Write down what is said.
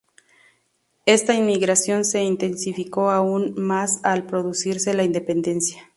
Esta inmigración se intensificó aún más al producirse la independencia.